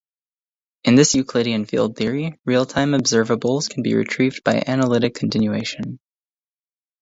In this Euclidean field theory, real-time observables can be retrieved by analytic continuation.